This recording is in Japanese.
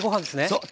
そう。